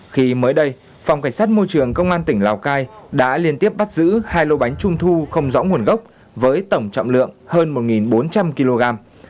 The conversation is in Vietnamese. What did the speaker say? khi mới đây phòng cảnh sát môi trường công an tỉnh lào cai đã liên tiếp bắt giữ hai lô bánh trung thu không rõ nguồn gốc với tổng trọng lượng hơn một bốn trăm linh kg